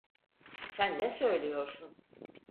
Sen ne söylüyorsun?